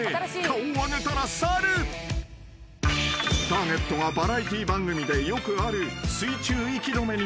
［ターゲットがバラエティー番組でよくある水中息止めに挑戦］